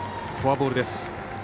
フォアボールです。